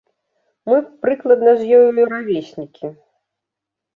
Мы прыкладна з ёю равеснікі.